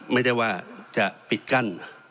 ไม่ได้ว่าจะปิดกั้น